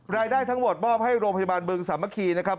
รายได้ทั้งหมดบอบให้โรงพยาบาลบึงสัมภิกษ์